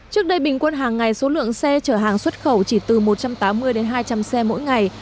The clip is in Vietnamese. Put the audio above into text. trước đây bình quân hàng ngày số lượng xe chở hàng xuất khẩu chỉ từ một trăm tám mươi đến hai trăm linh xe mỗi ngày